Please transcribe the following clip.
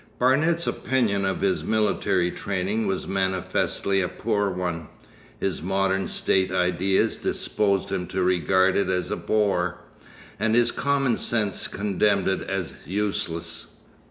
Barnet's opinion of his military training was manifestly a poor one, his Modern State ideas disposed him to regard it as a bore, and his common sense condemned it as useless.